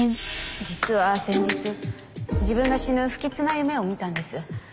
実は先日自分が死ぬ不吉な夢を見たんです。